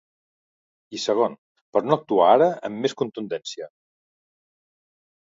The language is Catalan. I segon, per no actuar ara amb més contundència.